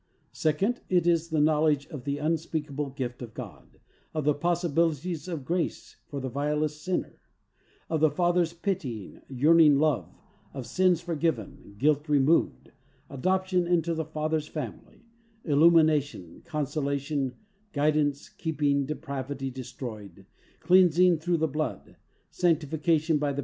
Second: It is the knowledge of the un speakable gift of God, of the possibilities of grace for the vilest sinner, of the Father's pitying, yearning love, of sins forgiven, guilt removed, adoption into the Father's family, illumination, consolation, guidance, keeping, depravity destroyed, cleansing through the Blood, sanctification by the 32 THE soul winner's secret.